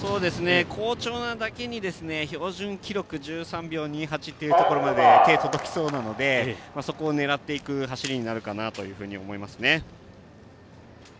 好調なだけに標準記録の１３秒２８まで手が届きそうなのでそこを狙っていく走りになるかなと思いますね。